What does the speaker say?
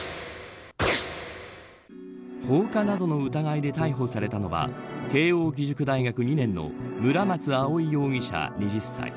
放火などの疑いで逮捕されたのは慶應義塾大学２年の村松葵容疑者、２０歳。